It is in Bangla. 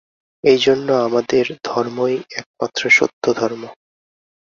এই জন্য আমাদের ধর্মই একমাত্র সত্যধর্ম।